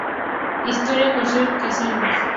Historia con Station Casinos.